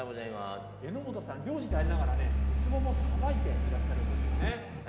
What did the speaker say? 榎本さん、漁師でありながらね、ウツボをさばいていらっしゃるんですよね。